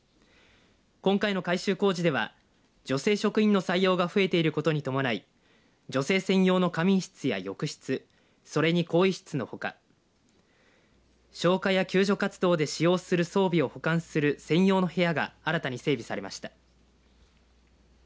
今回の改修工事では女性職員の採用が増えていることに伴い女性専用の仮眠室や浴室それに更衣室のほか消火や救助活動で使用する装備を保管する専用の部屋が新たに整備されました。